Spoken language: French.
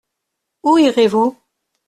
Où irez-vous ?